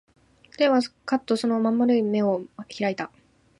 大王はかっとその真ん丸の眼を開いた